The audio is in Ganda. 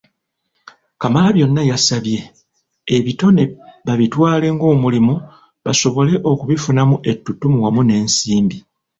Kamalabyonna yabasabye ebitone babitwale ng'omulimu basobole okubifunamu ettutumu wamu n'ensimbi.